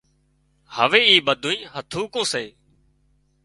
هوي اِي ٻڌونئي هٿُوڪون سي